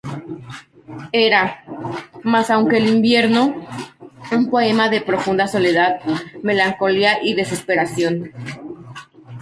Era, más aún que "El invierno," un poema de profunda soledad, melancolía y desesperación.